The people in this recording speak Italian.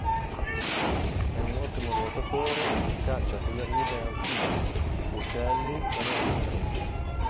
È un ottimo nuotatore, e caccia sulle rive anfibi, uccelli e mammiferi.